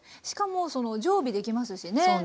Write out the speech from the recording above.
しかも常備できますしね。